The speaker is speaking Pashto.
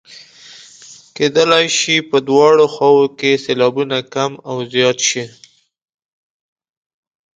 کیدلای شي په دواړو خواوو کې سېلابونه کم او زیات شي.